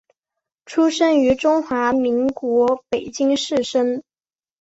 出生于中华民国北京市生。